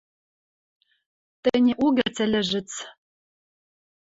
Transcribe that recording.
Тӹньӹ угӹц ӹлӹжӹц.